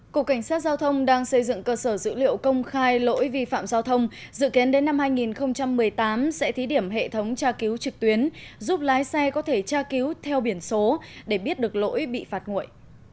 cục cảnh sát giao thông đang xây dựng cơ sở dữ liệu công khai lỗi vi phạm giao thông dự kiến đến năm hai nghìn một mươi tám sẽ thí điểm hệ thống tra cứu trực tuyến giúp lái xe có thể tra cứu theo biển số để biết được lỗi bị phạt nguội